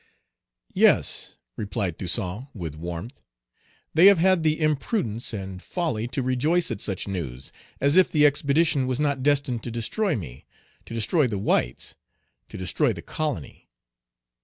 "Yes," replied Toussaint, with warmth; "they have had the imprudence and folly to rejoice at such news, as if the expedition was not destined to destroy me to destroy the whites to destroy the colony.